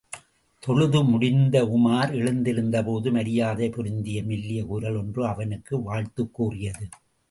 தொழுது முடிந்து உமார் எழுந்திருந்தபோது, மரியாதை பொருந்திய மெல்லிய குரல் ஒன்று அவனுக்கு வாழ்த்துக் கூறியது.